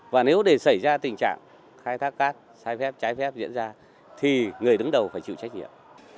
và nếu để xảy ra tình trạng khai thác cát sai phép trái phép diễn ra thì người đứng đầu phải chịu trách nhiệm